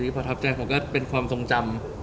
พอเชื่อเป็นความทรงจำ